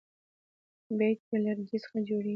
بیټ د لرګي څخه جوړ يي.